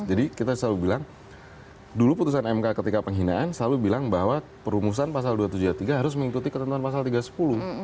jadi kita selalu bilang dulu putusan mk ketika penghinaan selalu bilang bahwa perumusan pasal dua puluh tujuh ayat tiga harus mengikuti ketentuan pasal tiga ayat sepuluh